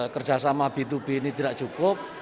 kerjasama b dua b ini tidak cukup